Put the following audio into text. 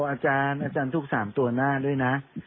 อาจารย์อาจารย์ทุก๓ตัวหน้าด้วยนะ